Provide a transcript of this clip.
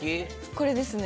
これですね。